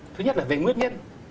thứ nhất là về nguyên nhân